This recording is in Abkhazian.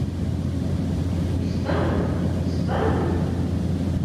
Избан, избан?